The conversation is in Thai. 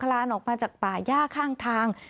ลานออกมาจากป่าย่าข้างทาง